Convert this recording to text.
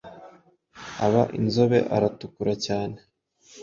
aba inzobe aratukura cyane,